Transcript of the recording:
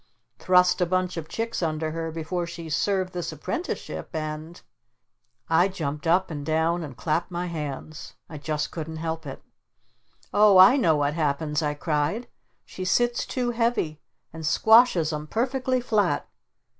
Thrust a bunch of chicks under her before she's served this apprenticeship and " I jumped up and down and clapped my hands. I just couldn't help it. "Oh, I know what happens!" I cried. "She sits too heavy! And squashes 'em perfectly flat!